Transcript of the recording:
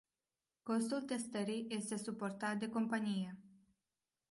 Costul testării este suportat de companie.